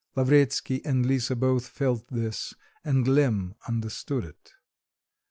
Lavretsky and Lisa both felt this, and Lemm understood it.